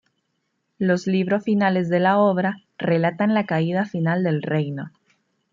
Los libros finales de la obra, relatan la caída final del reino.